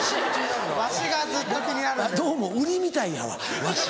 どうも売りみたいやわ「わし」